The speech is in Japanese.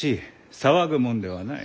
騒ぐもんではない。